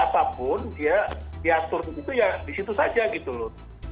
mau sepeda apapun dia diatur di situ ya di situ saja gitu loh